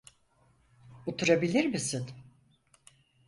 Oturabilir misin?